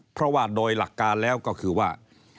เพราะว่าโดยหลักการแล้วก็คือว่า